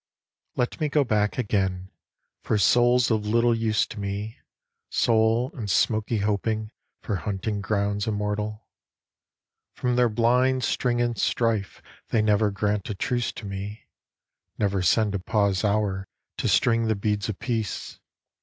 Let me go back again, For soul's of little use to me, Soul and smoky hoping For Hunting Grounds Immortal. From their blind sting and strife They never grant a truce to me. Never send a pause hour To string the beads of peace.